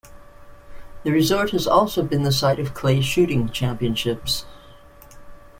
The resort has also been the site of clay shooting championships.